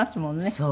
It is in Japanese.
そう。